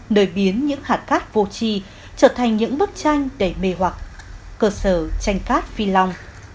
nơi biến những hạt cát vô chi trở thành những bức tranh đầy mê hoặc cơ sở tranh cát phi long